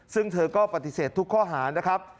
ซึ่งเธอก็ปฏิเสธทุกข้อหานะครับ